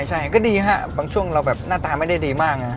ใช่ก็ดีฮะบางช่วงเราแบบหน้าตาไม่ได้ดีมาก